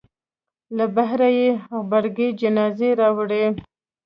له بهره یې غبرګې جنازې راوړې.